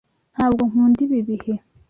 Ntabwo nkunda ibi bihe.